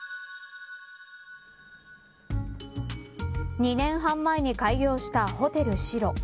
２年半前に開業したホテルシロ。